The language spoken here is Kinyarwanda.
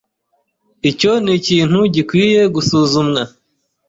Icyo nikintu gikwiye gusuzumwa.